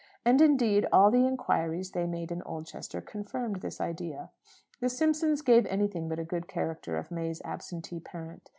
And, indeed, all the inquiries they made in Oldchester confirmed this idea. The Simpsons gave anything but a good character of May's absentee parent.